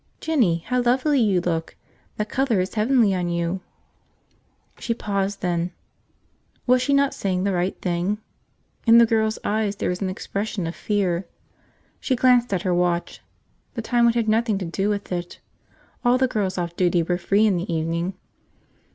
"Jinny, how lovely you look! That color is heavenly on you." She paused then. Was she not saying the right thing? In the girl's eyes there was an expression of fear. She glanced at her watch. The time could have nothing to do with it. All the girls off duty were free in the evening.